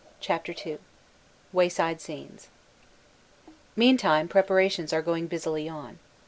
CHAPTER II WAYSIDE SCENES MEANTIME preparations are going busily on.